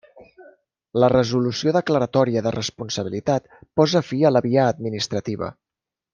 La resolució declaratòria de responsabilitat posa fi a la via administrativa.